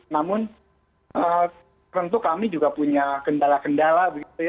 namun tentu kami juga punya kendala kendala